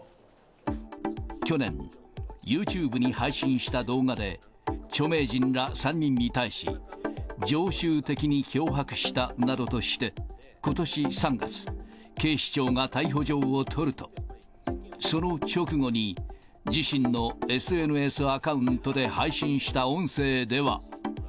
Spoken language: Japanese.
去年、ユーチューブに配信した動画で、著名人ら３人に対し、常習的に脅迫したなどとして、ことし３月、警視庁が逮捕状を取ると、その直後に、自身のＳＮＳアカウントで配信した音声では。